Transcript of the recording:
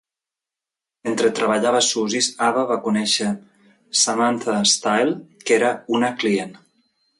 Mentre treballava a Suzy's, Ava va conèixer Samantha Style, que era una client.